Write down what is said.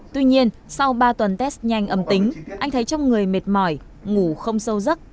tuy nhiên sau ba tuần test nhanh âm tính anh thấy trong người mệt mỏi ngủ không sâu giấc